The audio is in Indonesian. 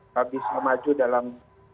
habis memaju dalam